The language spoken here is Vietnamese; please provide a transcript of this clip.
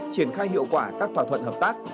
triển khai hiệu quả các thỏa thuận hợp tác